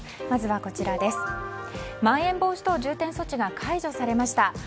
まずは、まん延防止等重点措置が解除されました。